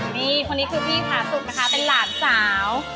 นี่คนนี้คือพี่ผาสุกนะคะเป็นหลานสาว